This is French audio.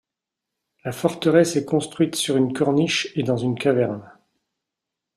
La forteresse est construite sur une corniche et dans une caverne.